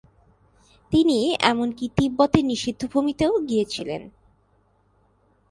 তিনি এমনকি তিব্বতের নিষিদ্ধ ভূমিতেও গিয়েছিলেন।